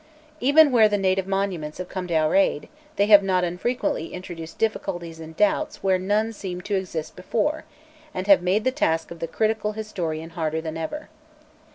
Even where the native monuments have come to our aid, they have not unfrequently introduced difficulties and doubts where none seemed to exist before, and have made the task of the critical historian harder than ever.